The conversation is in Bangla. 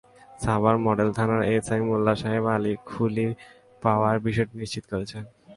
সাভার মডেল থানার এসআই মোল্লা সোহেব আলী খুলি পাওয়ার বিষয়টি নিশ্চিত করেছেন।